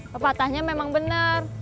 pepatahnya memang benar